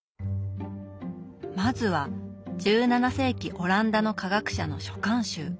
まずは１７世紀オランダの科学者の書簡集